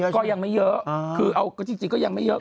ก็ยังไม่เยอะจริงก็ยังไม่เยอะ